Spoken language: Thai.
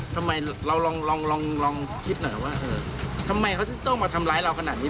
ทำไมเราลองลองคิดหน่อยว่าเออทำไมเขาจะต้องมาทำร้ายเราขนาดนี้